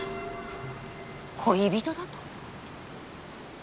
恋人だと。